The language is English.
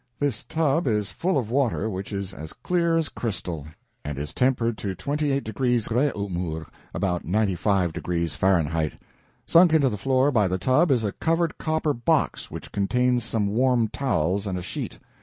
This tub is full of water which is as clear as crystal, and is tempered to 28 degrees Re'aumur (about 95 degrees Fahrenheit). Sunk into the floor, by the tub, is a covered copper box which contains some warm towels and a sheet.